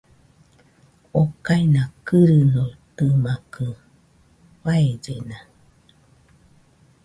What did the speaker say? Okaina kɨrɨnotɨmakɨ, faellena